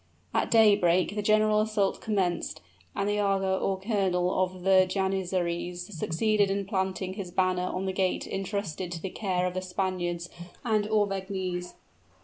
At daybreak, the general assault commenced, and the aga (or colonel) of the janizaries succeeded in planting his banner on the gate intrusted to the care of the Spaniards and Auvergnese.